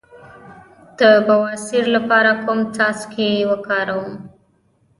د بواسیر لپاره کوم څاڅکي وکاروم؟